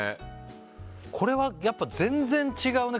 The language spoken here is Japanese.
これはやっぱ全然違うね